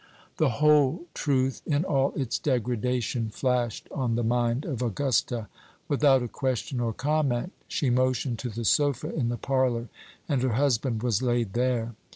The whole truth, in all its degradation, flashed on the mind of Augusta. Without a question or comment, she motioned to the sofa in the parlor, and her husband was laid there.